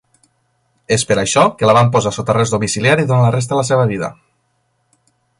És per això que la van posar sota arrest domiciliari durant la resta de la seva vida.